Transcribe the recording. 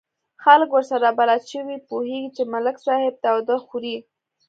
خلک ورسره بلد شوي، پوهېږي چې ملک صاحب تاوده خوري.